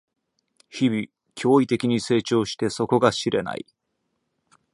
日々、驚異的に成長して底が知れない